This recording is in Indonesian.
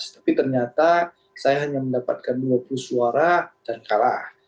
tapi ternyata saya hanya mendapatkan dua puluh suara dan kalah